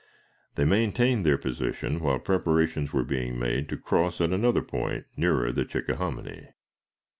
They maintained their position while preparations were being made to cross at another point nearer the Chickahominy.